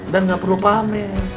dan nggak perlu pamer